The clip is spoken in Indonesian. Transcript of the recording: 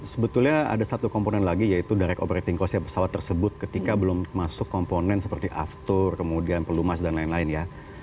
sebetulnya ada satu komponen lagi yaitu direct operating cost nya pesawat tersebut ketika belum masuk komponen seperti aftur kemudian pelumas dan lain lain ya